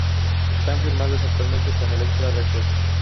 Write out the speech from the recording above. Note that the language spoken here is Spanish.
Están firmados actualmente con Elektra Records.